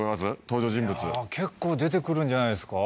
登場人物結構出てくるんじゃないですか？